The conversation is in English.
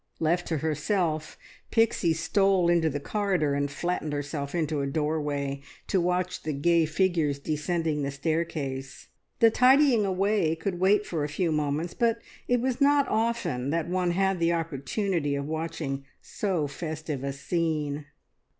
Left to herself, Pixie stole into the corridor and flattened herself into a doorway to watch the gay figures descending the staircase. The tidying away could wait for a few moments, but it was not often that one had the opportunity of watching so festive a scene.